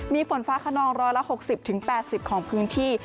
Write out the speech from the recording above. มีฝนฟ้าขนอง๑๖๐๘๐ของพื้นที่